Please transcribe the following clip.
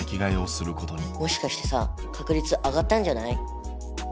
もしかしてさ確率上がったんじゃない？